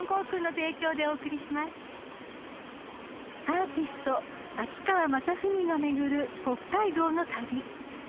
［アーティスト秋川雅史が巡る北海道の旅］